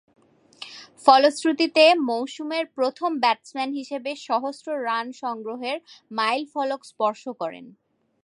ফলশ্রুতিতে, মৌসুমের প্রথম ব্যাটসম্যান হিসেবে সহস্র রান সংগ্রহের মাইলফলক স্পর্শ করেন।